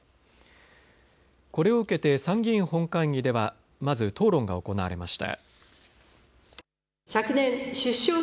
これを受けて参議院本会議ではまず討論が行われました。